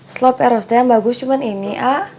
slop erosnya yang bagus cuma ini a